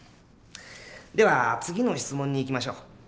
では次の質問にいきましょう。